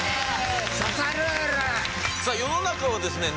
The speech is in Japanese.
さあ世の中はですね